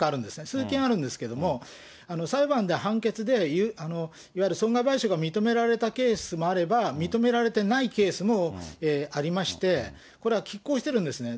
数件あるんですけれども、裁判で判決でいわゆる損害賠償が認められたケースもあれば、認められてないケースもありまして、これはきっ抗してるんですね。